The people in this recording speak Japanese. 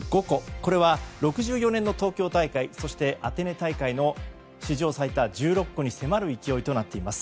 これは６４年の東京大会そしてアテネ大会の史上最多１６個に迫る勢いとなっています。